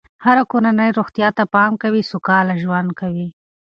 هره کورنۍ چې روغتیا ته پام کوي، سوکاله ژوند کوي.